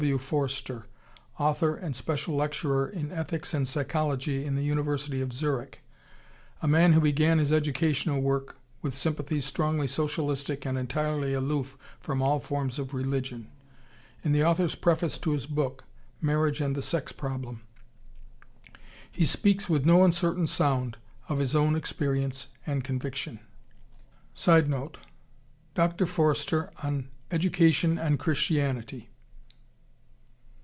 W. Foerster, author and special lecturer in Ethics and Psychology in the University of Zurich, a man who began his educational work with sympathies strongly socialistic and entirely aloof from all forms of religion. In the author's preface to his book, "Marriage and the Sex Problem," he speaks with no uncertain sound of his own experience and conviction. [Sidenote: Dr. Foerster on Education and Christianity.